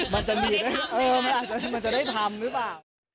มันจะได้ทำหรือเปล่า